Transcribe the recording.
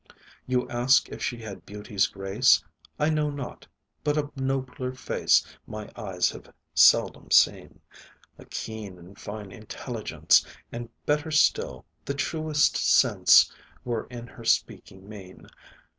You ask if she had beauty's grace? I know not but a nobler face My eyes have seldom seen; A keen and fine intelligence, And, better still, the truest sense Were in her speaking mien.